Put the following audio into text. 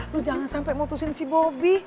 lo jangan sampe motusin si bobby